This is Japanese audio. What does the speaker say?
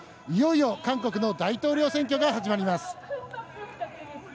いよいよ韓国の大統領選挙が始まります。